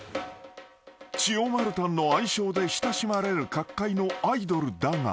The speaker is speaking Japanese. ［千代丸たんの愛称で親しまれる角界のアイドルだが］